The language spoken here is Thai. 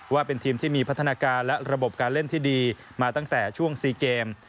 ว่าเป็นทีมที่มีพัฒนาการและระบบการเล่นที่ดีมาตั้งแต่ช่วง๔เกม